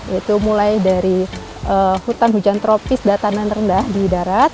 yaitu mulai dari hutan hujan tropis datanan rendah di darat